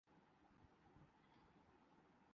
تو خوشی ہوئی کہ اب ملنے کے امکانات بڑھ جائیں گے۔